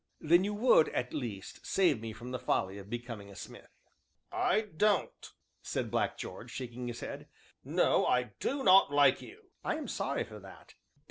"Then you would, at least, save me from the folly of becoming a smith." "I don't," said Black George, shaking his head, "no, I do not like you." "I am sorry for that."